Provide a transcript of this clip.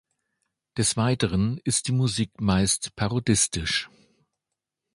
Des Weiteren ist die Musik meist parodistisch.